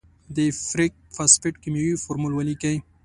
د فیریک فاسفیټ کیمیاوي فورمول ولیکئ.